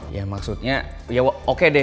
ya maksudnya ya oke deh